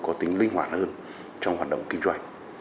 có tính linh hoạt hơn trong hoạt động kinh doanh